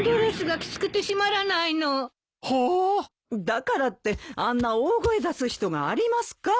だからってあんな大声出す人がありますか。